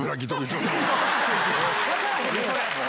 分からへんねん！